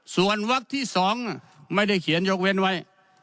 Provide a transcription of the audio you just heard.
ส่วนวักที่๒ไม่ได้เขียนยกเว้นไว้